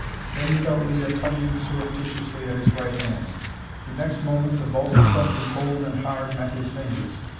Then he felt Leah tugging surreptitiously at his right hand. The next moment the bulk of something cold and hard met his fingers.